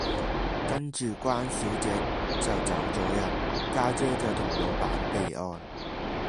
跟住關小姐就走左人，家姐就同老闆備案